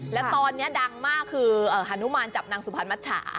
แล้วตอนนี้ดังมากคือฮานุมานจับนางสุพรรณมัชชา